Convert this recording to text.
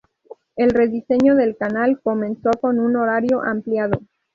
El rediseño del canal comenzó con un horario ampliado.